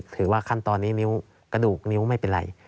ถือว่าขั้นตอนนี้กระดูกนิ้วไม่เป็นไร